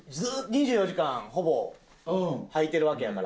２４時間ほぼはいてるわけやから。